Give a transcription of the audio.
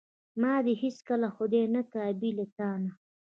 ما دې هیڅکله خدای نه کا بې له تانه.